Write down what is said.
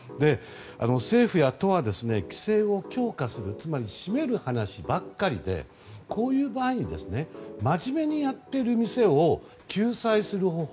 政府や都は規制を強化する締める話ばかりでこういう場合に真面目にやっている店を救済する方法。